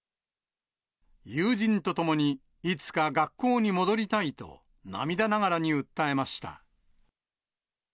友人と共に、いつか学校に戻りたいと、涙ながらに訴えました。